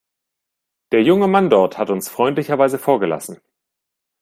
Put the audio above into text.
Der junge Mann dort hat uns freundlicherweise vorgelassen.